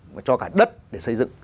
và cho cả đất để xây dựng